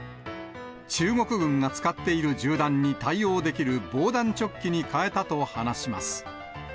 中国軍が使っている銃弾に対応できる防弾チョッキに替えたと話します。